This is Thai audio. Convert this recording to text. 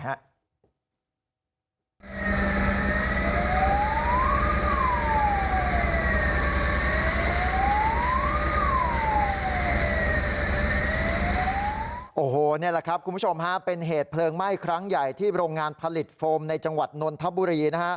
โอ้โหนี่แหละครับคุณผู้ชมฮะเป็นเหตุเพลิงไหม้ครั้งใหญ่ที่โรงงานผลิตโฟมในจังหวัดนนทบุรีนะฮะ